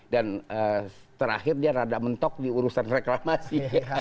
dan terakhir dia rada mentok diurusan reklamasi